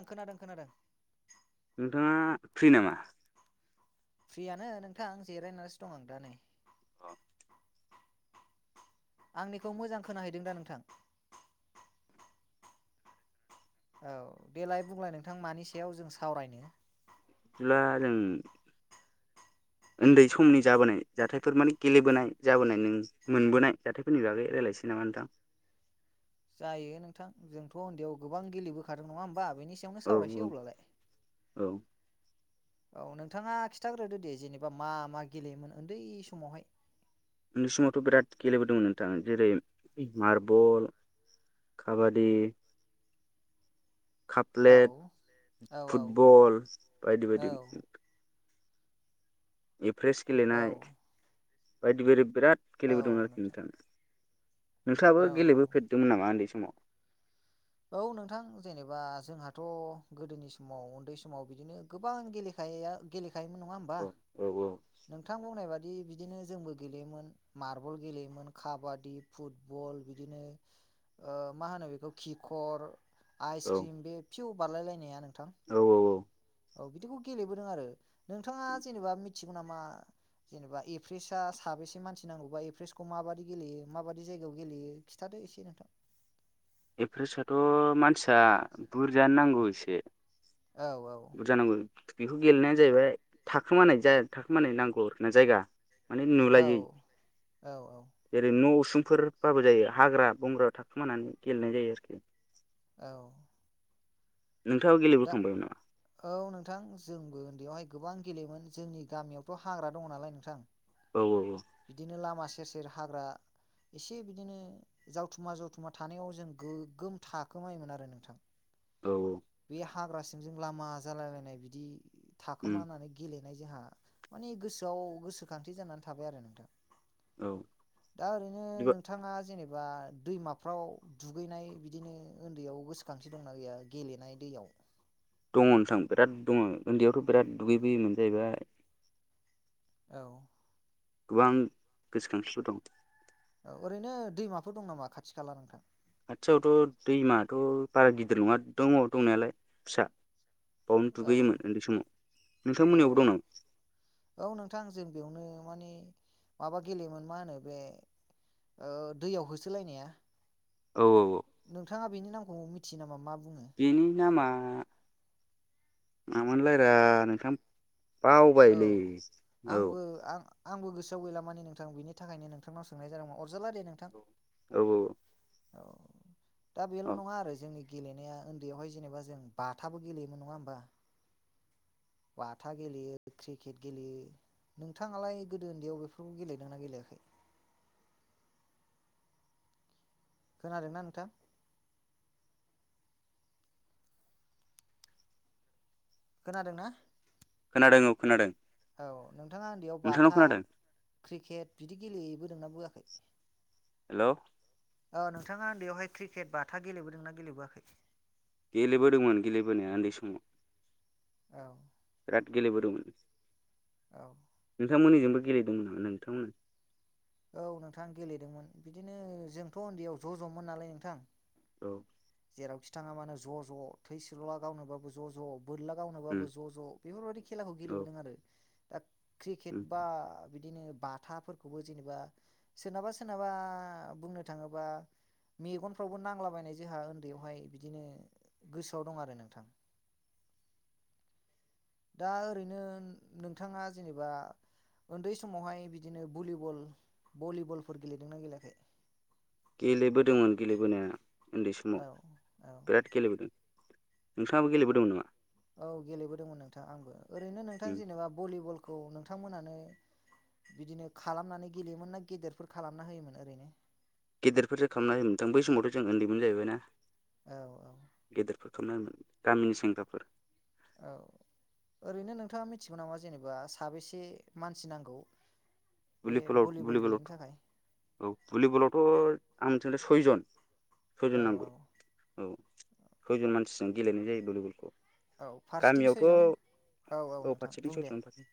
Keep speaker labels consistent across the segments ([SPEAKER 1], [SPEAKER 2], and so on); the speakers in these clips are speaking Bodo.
[SPEAKER 1] आं खोनादों खोनादों
[SPEAKER 2] नोंथाङा फ्रि नामा
[SPEAKER 1] फ्रियानो नोंथांं जिरायनानैसो दं आं दा नै
[SPEAKER 2] अ
[SPEAKER 1] आंनिखौ मोजां खोनाहैदों दा नोंथां औ देलाय बुंलाय नोंथां मानि सायाव जों सावरायनो
[SPEAKER 2] अब्ला जों
[SPEAKER 1] [inaudible]
[SPEAKER 2] उन्दै समनि जाबोनाय जाथायफोर माने गेलेबोनाय जाबोनाय नों मोनबोनाय जाथायफोरनि बागै रायज्लायसै मोन नोथां
[SPEAKER 1] जायो नोंथां जोंथ' उन्दैआव गोबां गेलेबोखादों नङा होमबा बेनि सायावनो
[SPEAKER 2] औ
[SPEAKER 1] सावरायसै अब्लालाय
[SPEAKER 2] औ
[SPEAKER 1] औ नोंथाङा खिन्थाग्रोदो दे जेनेबा मा मा गेलेयोमोन उन्दै समावहाय
[SPEAKER 2] उन्दै समावथ' बिराद गेलेबोदोंमोन नोंथां जेरै मार्बल काबादि
[SPEAKER 1] औ
[SPEAKER 2] काप्लेट
[SPEAKER 1] औ
[SPEAKER 2] फुटबल बायदि
[SPEAKER 1] औ
[SPEAKER 2] बायदि एप्रेस
[SPEAKER 1] औ
[SPEAKER 2] गेलेनाय बायदि बायदि बिराद
[SPEAKER 1] औ
[SPEAKER 2] गेलेबोदोंमोन
[SPEAKER 1] औ
[SPEAKER 2] आरोखि नोंथां नोंथाङाबो
[SPEAKER 1] औ औ
[SPEAKER 2] गेलेबोफेरदोंमोन नामा उन्दै स
[SPEAKER 1] औ नोंथां जेनेबा जोंहाथ' गोदोनि समाव उन्दै समाव बिदिनो गोबां गेलेखा गेलेखायोमोन नङा होमबा
[SPEAKER 2] औ औ
[SPEAKER 1] नोंथां बुंनाय बि-बिदिनो जोंबो गेलेयोमोन मार्बल गेलेयोमोन खाबादि फुटबल बिदिनो ओ मा होनो बेखौ किखर
[SPEAKER 2] औ
[SPEAKER 1] आइसक्रिम बे फिउ बारलायलायनाया नों
[SPEAKER 2] औ औ औ
[SPEAKER 1] औ बिदिखौ गेलेबोदों आरो नोंथाङा जेनेबा मिथिगौ नामा जेनेबा एप्रेसआ साबेसे मानसि नांगौबा एप्रेसखौ माबायदि गेलेयो माबाददि जायगायाव गेलेयो खिथाथों एसे नोंथां
[SPEAKER 2] एफ्रिसटआथ' मानसिया बुरजानो नांगौ एसे
[SPEAKER 1] औ औ
[SPEAKER 2] बुरजा नांगौ बेखौ गेलेनाया जाहैबाय थाखोमानाय थाखोमानाय नांगौ आरोखि ना जायगा माने
[SPEAKER 1] औ
[SPEAKER 2] नुलायै
[SPEAKER 1] औ औ
[SPEAKER 2] जेरै नो सिुखुंफोरबाबो जायो हाग्रा बंग्राायाव थाखोमानानै गेलेनाय जायो आरोखि
[SPEAKER 1] औ
[SPEAKER 2] नोंथाङाबो
[SPEAKER 1] दा
[SPEAKER 2] गेलेबोखांबायमोन नामा
[SPEAKER 1] औ नोंथां जोंबो उन्दैयावहाय गोबां गेलेयोमोन जोंनि गामियावथ' हाग्रा दङ नालाय नोंथां
[SPEAKER 2] औ औ
[SPEAKER 1] बिदिनो लामा सेर सेर हाग्रा एसे बिदिनो जावथुमा जावथुमा थानायाव जों गोगोम थाखोमायोमोन आरो नोंथां
[SPEAKER 2] औ
[SPEAKER 1] बे हाग्रासिमजों लामा जालायलायनाय बिदि
[SPEAKER 2] उम
[SPEAKER 1] थाखोमानानै गेले जोंहा माने गोसोआव गोसोखांथि जानानै थाबाय आरो नोंथां
[SPEAKER 2] औ
[SPEAKER 1] दा ओरैनो
[SPEAKER 2] बिदिबा
[SPEAKER 1] नोंथाङा जेनेबा बा दैमाफ्राव दुगैनाय बिदिनो उन्दैयाव गोसोखांथि दंना गैया गेले नाय दैयाव
[SPEAKER 2] दङ नोंथां बिराद दङ उन्दैयावथ' बिराद दुगैबोयोमोन जाहैबाय
[SPEAKER 1] औ
[SPEAKER 2] गोबां गोसोखांथिफोर दं
[SPEAKER 1] औ ओरैनो दैमाफोर दं नामा खाथि खाला नोंथां
[SPEAKER 2] खाथियावथ' दैमाथ' बारा गिदिर नङा दङ दंनायालाय फिसा बावनो
[SPEAKER 1] औ
[SPEAKER 2] दुगैयोमोन उन्दै समाव
[SPEAKER 1] औ
[SPEAKER 2] नोंथांमोननियावबो दं नामा
[SPEAKER 1] औ औ नोंथां जों बेयावनो माने माबा गेलेयोमोन मा होनो बे ओ दैयाव होसोलायनाया
[SPEAKER 2] औ औ
[SPEAKER 1] नोंथाङा बेनि नामखौ मिथियो नामा मा बुं
[SPEAKER 2] बेनि नामा मामोनलायरा नोंथां
[SPEAKER 1] औ
[SPEAKER 2] बावबायलै औ
[SPEAKER 1] आंबो आं आंबो गोसो थ' गैलामानि नोंथां बिनि थाखायनो नोंथांनाव सोंनाय जादोंमोन अरजाला दे नोंथां
[SPEAKER 2] औ औ औ
[SPEAKER 1] औ दा बेल' नङा आरो जोंनि गेलेनाया उन्दैयावहाय जेनेबा जों बाथाबो गेलेयोमोन नङा होमबा बाथा गेलियो क्रिकेट गेलेयो नोंथाङालाय गोदो उन्दैयाव बेफोरखौ गेलेदों ना गेलेयाखै खोनादोंना नोंथां खोनादों ना
[SPEAKER 2] खोनादों औ खोनादों
[SPEAKER 1] औ नोंथाङा उन्दैयाव
[SPEAKER 2] नोंथांनाव
[SPEAKER 1] बाथा
[SPEAKER 2] खोनादों
[SPEAKER 1] क्रिकेट बिदि गेलेयोबो दोंना बोआखै
[SPEAKER 2] हेल'
[SPEAKER 1] औ नोंथाङा उन्दैयावहाय क्रिकेट बाथा गेलेबोदोंना गेलेबोआखै
[SPEAKER 2] गेलेबोदोंमोन गेलेबोनाया उन्दै समाव
[SPEAKER 1] औ
[SPEAKER 2] गेलेबोदोंमोन
[SPEAKER 1] औ
[SPEAKER 2] नोंथांमोननिजोंबो गेलेदोंमोन नामा नोंथांमोना
[SPEAKER 1] औ नोंथां गेलेदोंमोन बिदिनो जोंथ' उन्दैयाव ज' ज'मोन नालाय नोंथां
[SPEAKER 2] औ
[SPEAKER 1] जेरावखि थाङा मानो ज' ज' थैसोरल'ला गावनोबबो ज' ज' बोरला गावनोबाबो
[SPEAKER 2] उम
[SPEAKER 1] ज' ज' बेफोरबायाददि खेलाखौ
[SPEAKER 2] औ
[SPEAKER 1] गेलेबोदों आरो दा क्रिकेट
[SPEAKER 2] उम
[SPEAKER 1] बा बिदिनो बाथाफोरखौबो जेनेबा सोरनाबा सोरनाबा बुंनो थाङोबा मेगनफ्रावबो नांलाबायनाय जोंहा उन्दैयावहाय बिदिनो गोसोआव दं आरो नोंथां [unintelligible] [inaudible] दा ओरैनो नोंथाङा जेनेबा उन्दै समावहाय बिदिनो भलिबल भलिबलफोर गेलेदोंना गेलेयाखै
[SPEAKER 2] गेलेबोदोंमोन गेलेबोनाया उन्दै समाव
[SPEAKER 1] औ औ
[SPEAKER 2] बिराद गेलेबोदों नोंथाङाबो गेलेबोदोंमोन नामा
[SPEAKER 1] औ गेलेबोदोंमोन नोंथां आंबो ओरैनो नोंथां
[SPEAKER 2] उम
[SPEAKER 1] जेनेबा भलिबलखौ नोंथांमोनानो बिदिनो खालामनानै गेलेयोमोन ना गेदेरफोर खालामना होयोमोन ओरैनो
[SPEAKER 2] गेदेरफोरसो खालामना होथां बै समावथ' जों उन्दैमोन जाहैबाय ना
[SPEAKER 1] औ औ
[SPEAKER 2] गेदेरफोर थ'नोमोन गामिनि सेंग्राफोर
[SPEAKER 1] औ ओरैनो नोंथाङा मिथिगौ नामा जेनेबा साबेसे मानसि नांगौ बे
[SPEAKER 2] भलिबलाव
[SPEAKER 1] भलिबल गेलेनो थाखाय
[SPEAKER 2] भलिबलाव औ भलिबलावथ' आंथिंजाय सयजन
[SPEAKER 1] औ
[SPEAKER 2] सयजन
[SPEAKER 1] औ
[SPEAKER 2] नांगौ औ सयजन मानसिजों गेलेनाय जायो भलिबलखौ
[SPEAKER 1] औ फारसेथिं
[SPEAKER 2] गामियावथ'
[SPEAKER 1] सयजन औ औ नोंथां
[SPEAKER 2] फारसेथिं
[SPEAKER 1] बुं दे
[SPEAKER 2] सयजन फारसे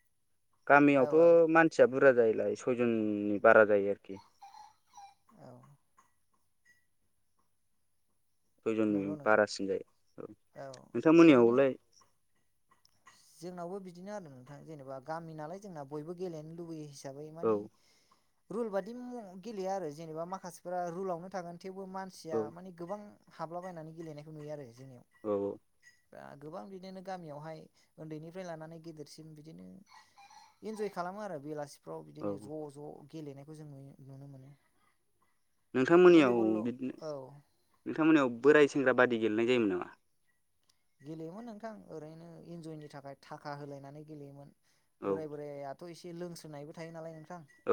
[SPEAKER 1] औ औ
[SPEAKER 2] गामियावथ' मानसिया बुरजा जायोलाय सयजननि बारा जायो आरोखि
[SPEAKER 1] औ
[SPEAKER 2] सयजननि
[SPEAKER 1] नंगौ नोंथां
[SPEAKER 2] बारासिन जायो औ
[SPEAKER 1] ओरैनो
[SPEAKER 2] नोंथांमोननियावलाय
[SPEAKER 1] जोंनावबो बि बिदिनो आरो नोंथां जेनेबा गामि नालाय जोंना बयबो गेलेनो लुबैयो हिसाबै
[SPEAKER 2] औ
[SPEAKER 1] मानि रुल बादि गेलेया आरो जेनेबा माखासेफोरा रुलावनो थागोन थेवबो मानसिया
[SPEAKER 2] औ
[SPEAKER 1] मानि गोबां हाबलाबायनानै गेलेनायखौ नुयो आरो जोंनियाव
[SPEAKER 2] औ
[SPEAKER 1] दा गोबां बिदिनो गामियावहाय उन्दैनिफ्राय लानानै गेदेरसिन बिदिनो इन्जय खालामो आरो बेलासिफ्राव बिदिनो
[SPEAKER 2] औ
[SPEAKER 1] ज' ज' गेलेनायखौ जों नुनो मोनो
[SPEAKER 2] नोंथांमोननियाव
[SPEAKER 1] भलिबल'
[SPEAKER 2] बिदिनो
[SPEAKER 1] औ
[SPEAKER 2] नोंथांमोननियाव बोराय सेंग्रा बादि गेलेनाय जायोमोन नामा
[SPEAKER 1] गेलेयोमोन नोंथां ओरैनो इन्जयनि थाखाय थाखा होलायनानै गेलेयोमोन
[SPEAKER 2] औ
[SPEAKER 1] बोराय बोरायाथ' एसे लोंस्रायबो थायो नालाय नोंथां
[SPEAKER 2] औ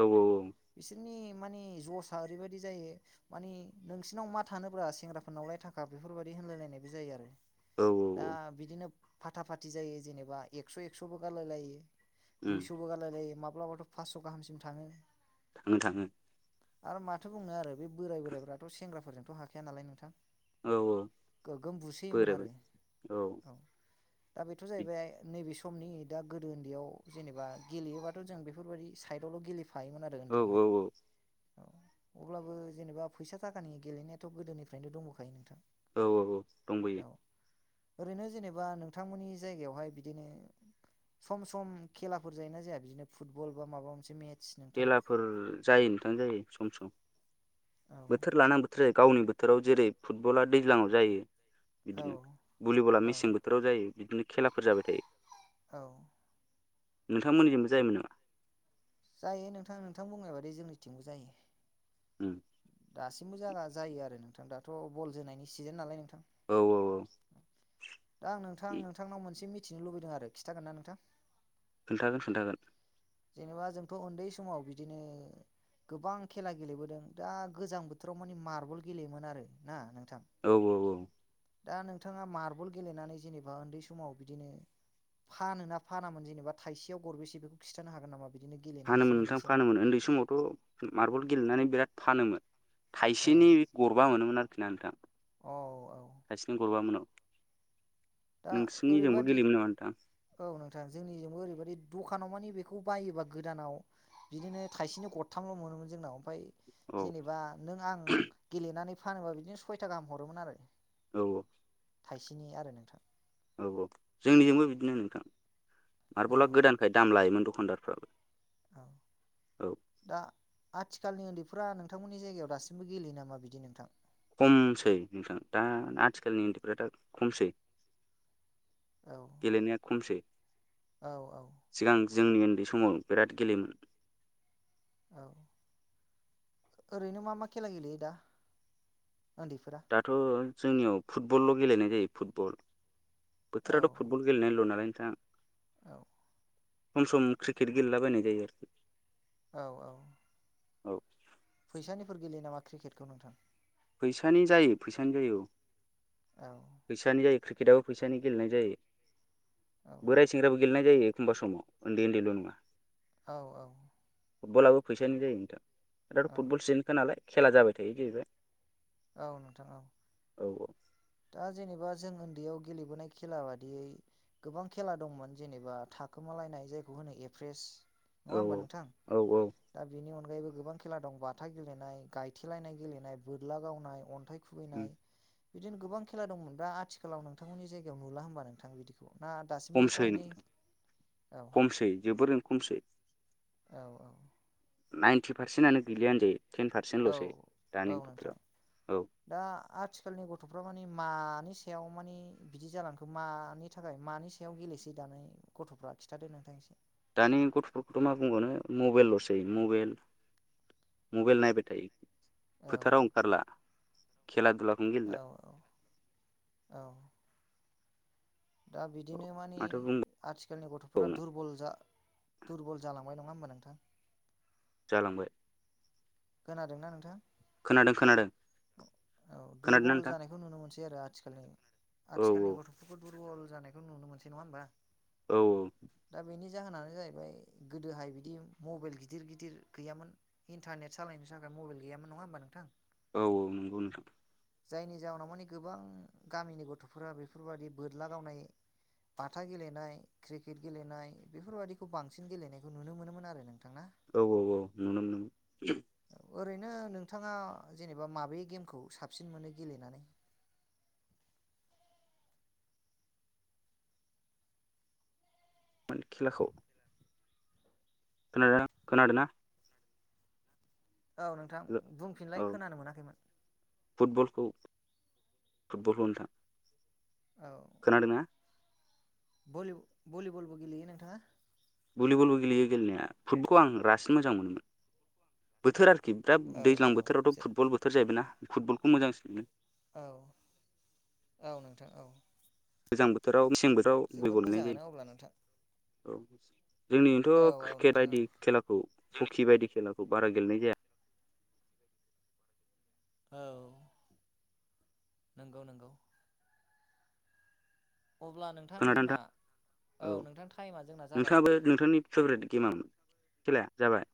[SPEAKER 1] बिसोरनि मानि जसा ओरैबायदि जायो मानि नोंसिनाव मा थानोब्रा सेंग्राफोरनावलाय थाखा बेफोरबायदि होनलायलायनायबो जायो आरो
[SPEAKER 2] औ
[SPEAKER 1] दा
[SPEAKER 2] औ
[SPEAKER 1] बिदिनो फााथा फाथि जायो जेनेबा एक्स' एक्स'बो गारलाय लायो
[SPEAKER 2] उम
[SPEAKER 1] दुइस'बो गारलाय लायो माब्लाबाथ' फासस' गाहामसिम थाङो
[SPEAKER 2] थाङो थाङो
[SPEAKER 1] आरो माथो बुंनो आरो बे बोराय बोरायफ्राथ' सेंग्राफोरजोंथ' हाखाया नालाय नोंथां
[SPEAKER 2] औ औ
[SPEAKER 1] गोगोम बुसोयोमोन
[SPEAKER 2] बोराब
[SPEAKER 1] आरो औ दा बेथ' जाहैबाय नैबे समनि दा गोदो उन्दैयाव जेनेबा गेलेयोबाथ' जों बेफोरबायदि साइडआवल' गेलेफायो थायोमोन आरो
[SPEAKER 2] औ औ
[SPEAKER 1] उन्दैयावहाय
[SPEAKER 2] औ
[SPEAKER 1] औ अब्लाबो जेनेबा फैसा थाखानि गेलेनायाथ' गोदोनिफ्रायनो दंबोखायो नोंथां
[SPEAKER 2] औ औ औ दंबोयो
[SPEAKER 1] औ ओरैनो जेनेबा नोंथांमोननि जायगायावहाय बिदिनो सम सम खेलाफोर जायोना जाया बिदिनो फुटबल बा माबा मोनसे मेट
[SPEAKER 2] खेलाफोर जायो नोंथां जायो सम सम
[SPEAKER 1] औ
[SPEAKER 2] बोथोर लानानै बोथोर जायो। गावनि बोथोराव जेरै फुटबला दैज्लाङाव जायो
[SPEAKER 1] औ
[SPEAKER 2] बिदिनो भलिबला
[SPEAKER 1] औ
[SPEAKER 2] मेसें बोथोराव जायो बिदिनो खेलाफोर जाबाय थायो
[SPEAKER 1] औ
[SPEAKER 2] नोंथांमोननिजोंबो जायोमोन नामा?
[SPEAKER 1] जायो नोंथां नोंथां बुंनाय बादै जोंनि टिमबो जायो
[SPEAKER 2] उ
[SPEAKER 1] दासिमबो जा जायो आरो नोंथां दाथ' बल जोनायनि सिजोन नालाय नोंथां
[SPEAKER 2] औ औ
[SPEAKER 1] दा आं नोंथां नोंथांनाव मोनसे मि खिथिनो लुबैदों आरो खिन्थागोन ना नोंथां?
[SPEAKER 2] खोन्थागोन खोन्थागोन।
[SPEAKER 1] जेनेबा जोंथ' उन्दै समाव बिदिनो गोबां खेला गेलेबोदों दा गोजां बोथोराव मानि मार्बल गेलेयोमोन आरो ना नों
[SPEAKER 2] औ औ औ
[SPEAKER 1] दा नोंथाङा मार्बल गेलेनानै जेनेबा उन्दै समाव बिदिनो फानोना फानामोन जेनेबा थाइसेयाव गरबेसे बेखौ खिथानो हागोन नामा? बिदिनो गेलेनायनि
[SPEAKER 2] फानोमोन
[SPEAKER 1] सोमोन्दै
[SPEAKER 2] नोंथां
[SPEAKER 1] एसे
[SPEAKER 2] फानोमोन उन्दै समावथ' मार्बल गेलेनानै बिराद फानोमोन।
[SPEAKER 1] औ
[SPEAKER 2] थाइसेनि गरबा मोनोमोन आरोखि ना नोंथां
[SPEAKER 1] औ औ
[SPEAKER 2] थाइसेनि गरबा मोनाव
[SPEAKER 1] दा
[SPEAKER 2] नोंसिनिजोंबो
[SPEAKER 1] ओरैबादि
[SPEAKER 2] गेलेयोमोन नामा नोंथां?
[SPEAKER 1] औ जोंनिजोंबो ओरैबादि दखानाव मानि बेखौ बायोबा गोदानाव बिदिनो थाइसेनो गरथामल' मोनो मोन जोंनाव मफ्राय
[SPEAKER 2] औ
[SPEAKER 1] जेनेबा नों आं गेलेनानै फानोबा बिदिनो सयथा गाहाम हरोमोन आरो
[SPEAKER 2] औ
[SPEAKER 1] थाइसेनि आरो नोंथां
[SPEAKER 2] औ औ जोंनिजोंबो बिदिनो नोंथां
[SPEAKER 1] औ
[SPEAKER 2] मार्बला गोदानखाय दाम लायोमोन दखानदारफ्राबो
[SPEAKER 1] औ
[SPEAKER 2] औ
[SPEAKER 1] दा आथिखालनि उन्दै फा नोंथांमोननि जायगायाव दासिमबो गेलेयो नामा बिदि नोंथां
[SPEAKER 2] खमसै नोंथां दा आथिखालनि उन्दैफ्रा दा खमसै
[SPEAKER 1] औ
[SPEAKER 2] गेलेनाया खमसेै
[SPEAKER 1] औ औ
[SPEAKER 2] जोंनि उन्दै समाव बिराद गेलेयोमोन
[SPEAKER 1] औ ओरैनो मा मा खेला गेलेयो दा उन्दैफोरा
[SPEAKER 2] दाथ' जोंनियाव फुटबलल' गेलेनाय जायो फुटबल बोथोराथ'
[SPEAKER 1] औ
[SPEAKER 2] फुटबल गेलेनायल' नालाय नोंथां
[SPEAKER 1] औ
[SPEAKER 2] सम सम क्रिकेट गेलेलाबायनाय जायो आरखि
[SPEAKER 1] औ औ
[SPEAKER 2] औ
[SPEAKER 1] फैसानिफोर गेलेयो नामा क्रिकेटखौ नोंथां
[SPEAKER 2] फैसानि जायो फैसानि जायो औ
[SPEAKER 1] औ
[SPEAKER 2] फैसानि जायो क्रिकेटआबो फैसानि गेलेनाय जायो
[SPEAKER 1] औ
[SPEAKER 2] बोराय सेंग्राबो गेलेनाय जायो एखमबा समाव उन्दै उन्दैल' नङा
[SPEAKER 1] औ औ
[SPEAKER 2] फुटबलाबो फैसानि जायो नोंथां दाथ'
[SPEAKER 1] औ
[SPEAKER 2] फुटबल साजेनटखा नालाय खेला जाबाय थायो जाहैबाय
[SPEAKER 1] औ नोंथां औ
[SPEAKER 2] औ
[SPEAKER 1] दा जेनेबा जों दैयाव गेलेबोनाय खेला बादियै गोबां खेला दंमोन जेनोबा थाखोमालायनाय जायखौ होनो ए फ्रेस
[SPEAKER 2] औ
[SPEAKER 1] नङा होमबा नोंथां
[SPEAKER 2] औ औ
[SPEAKER 1] दा बेनि अन गायैबो गोबां खेला दं बाथा गेलेनाय गायथेलायनाय गेलेनाय बोरला गावनाय अन्थाइ
[SPEAKER 2] उम
[SPEAKER 1] खुबैनाय बिदिनो गोबां खेला दंमोन दा आथिखालाव नोंथांमोननि जायगायाव नुला होनबा नोंथां बिदि
[SPEAKER 2] खमसै खमसै जोबोरैनो खमसै।
[SPEAKER 1] औ औ
[SPEAKER 2] नाइनटि पारसेन्टआनो गैलिया होनजायो। टेन
[SPEAKER 1] औ
[SPEAKER 2] पारसेन्टल'सै
[SPEAKER 1] औ
[SPEAKER 2] दानि
[SPEAKER 1] नोंथां
[SPEAKER 2] बोथोराव औ
[SPEAKER 1] दा आथिखालनि गथ'फ्रा मानि मानि सायाव मानि बिदि जालांखो मानि थाखाय मानि सायाव गेलेसै दानाय गथ'फ्रा? खिथादो नोंथां एसे।
[SPEAKER 2] दानि गथ'फोरखौथ' मा बुंबावनो मबेलल'सै मबेल मबेल नायबाय थायो
[SPEAKER 1] औ
[SPEAKER 2] फोथाराव ओंखारला। खेला दुलाखौनो गेलेला
[SPEAKER 1] औ औ औ दा
[SPEAKER 2] औ
[SPEAKER 1] बिदिनो मानि
[SPEAKER 2] माथो
[SPEAKER 1] आथिखालनि गथ'फोरा
[SPEAKER 2] बुंबावनो
[SPEAKER 1] दुरबल जा दुरबल जालांबाय नङा होमबा नोंथां।
[SPEAKER 2] जालांबाय।
[SPEAKER 1] खोनादोंना नोंथां?
[SPEAKER 2] खोनादों खोनादों।
[SPEAKER 1] औ
[SPEAKER 2] खोनादोंना
[SPEAKER 1] दुरबल
[SPEAKER 2] नोंथां
[SPEAKER 1] जानायखौ नुनो मोनसै आरो आथिखालनि
[SPEAKER 2] औ
[SPEAKER 1] आथिखालनि गथ'फोरखौ दुरबल जानायखौ नुनो मोनसै नङा होमबा।
[SPEAKER 2] औ औ
[SPEAKER 1] दा बेनि जाहोनानो जाहैबाय गोदोहाय बिदि मबेल गिदिर गिदिर गैयामोन इन्टारनेट सालायनो थाखाय मबेल गैयामोन नङा होमबा नोंथां।
[SPEAKER 2] औ औ नंगौ नोंथां।
[SPEAKER 1] जायनि जाउनाव मानि गोबां गामिनि गथ'फोरा बेफोरबादि बोरला गावनाय बाथा गेलेनाय क्रिकेट गेलेनाय बेफोरबायदिखौ बांसिन गेलेनायखौ नुनो मोनोमोन आरो नोंथां ना।
[SPEAKER 2] औ औ औ नुनो मोनोमोन।
[SPEAKER 1] ओरैनो नोंथाङा जेनेबा माबे गेमखौ साबसिन मोनो गेलेनानै? [inaudible]
[SPEAKER 2] खेलाखौ? ओ खोनादोंना?
[SPEAKER 1] औ नोंथां बुंफिनलाय
[SPEAKER 2] औ
[SPEAKER 1] खोनानो मोनाखैमोन।
[SPEAKER 2] फुटबलखौ फुटबलखौ नोंथां।
[SPEAKER 1] औ
[SPEAKER 2] खोनादोंना?
[SPEAKER 1] भलि भलिबलबो गेलेयो नोंथाङा?
[SPEAKER 2] भुलिबलबो गेलेयो गेलेनाया फुटबलखौ आं रासिन मोजां मोनो माने। बोथोर आ खि
[SPEAKER 1] औ
[SPEAKER 2] दैज्लां
[SPEAKER 1] औ
[SPEAKER 2] बोथोरावथ'
[SPEAKER 1] जे
[SPEAKER 2] फुटबल बोथोर जाहैबाय ना फुटबलखौ मोजांसिन मोनो।
[SPEAKER 1] औ औ नोंथां औ
[SPEAKER 2] गोजां बोथोराव मेसें बो
[SPEAKER 1] जोबोद मोजाङानो अब्ला नोंथां।
[SPEAKER 2] औ
[SPEAKER 1] औ
[SPEAKER 2] जोंनिखैथ'
[SPEAKER 1] औ
[SPEAKER 2] क्रिकेट
[SPEAKER 1] नोंथां
[SPEAKER 2] बायदि
[SPEAKER 1] औ
[SPEAKER 2] खेलाखौ हकि बायदि खेलाखौ बारा गेलेनाय जाया।
[SPEAKER 1] औ नंगौ नंगौ। अब्ला नोंथां जोंना औ नोंथां टाइमा जोंना जाबाय।
[SPEAKER 2] गेमाव खेलाया जाबाय।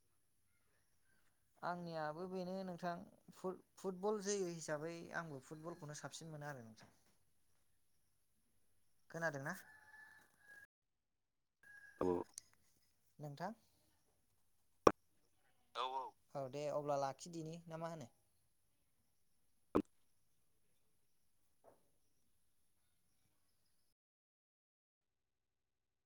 [SPEAKER 1] आंनियाबो बेनो नोंथां फु-फुटबल जोयो हिसाबै आंबो फुटबलखौनो साबसिन मोनो आरो। [inaudible] खोनादोंना?
[SPEAKER 2] औ
[SPEAKER 1] नोंथां औ औ औ दे अब्ला लाखिदिनि ना मा होनो?
[SPEAKER 2] [inaudible]